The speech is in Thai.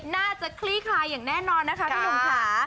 คลี่คลายอย่างแน่นอนนะคะพี่หนุ่มค่ะ